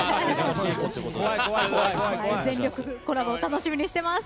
全力コラボ楽しみにしています。